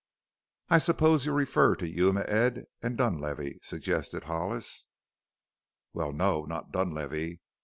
"I suppose you refer to Yuma Ed and Dunlavey?" suggested Hollis. "Well, no, not Dunlavey.